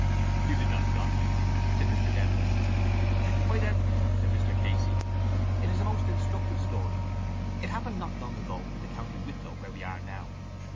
—You did not, John, said Mr Dedalus. —Why then, said Mr Casey, it is a most instructive story. It happened not long ago in the county Wicklow where we are now.